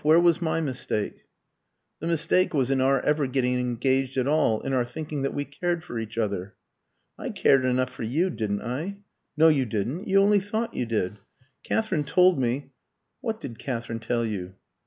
Where was my mistake?" "The mistake was in our ever getting engaged at all in our thinking that we cared for each other." "I cared enough for you, didn't I?" "No, you didn't. You only thought you did. Katherine told me " "What did Katherine tell you?"